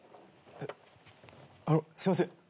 あのすいません。